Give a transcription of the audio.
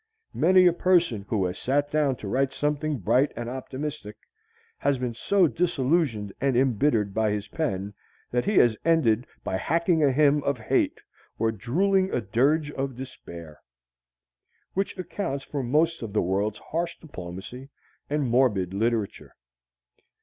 Many a person who has sat down to write something bright and optimistic, has been so disillusioned and embittered by his pen, that he has ended by hacking a hymn of hate or drooling a dirge of despair. Which accounts for most of the world's harsh diplomacy and morbid literature.